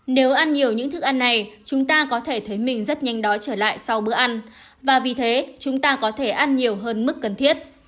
nếu ăn nhiều những thức ăn này chúng ta có thể thấy mình rất nhanh đói trở lại sau bữa ăn và vì thế chúng ta có thể ăn nhiều hơn mức cần thiết